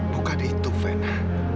bukan itu fena